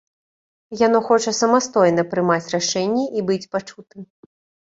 Яно хоча самастойна прымаць рашэнні і быць пачутым.